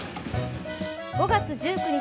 ５月１９日